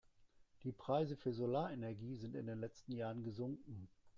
Die Preise für Solarenergie sind in den letzten Jahren gesunken.